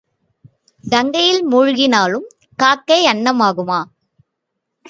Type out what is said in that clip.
கங்கையில் மூழ்கினாலும் காக்கை அன்னம் ஆகுமா?